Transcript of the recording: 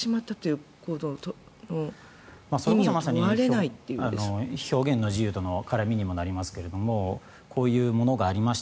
それこそまさに表現の自由との絡みになりますがこういうものがありました